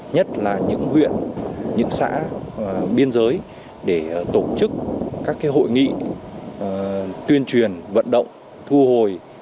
nhất là những huyện những xã biên giới để tổ chức các hội nghị tuyên truyền vận động thu hồi